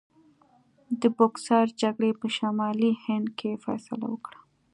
د بوکسر جګړې په شمالي هند کې فیصله وکړه.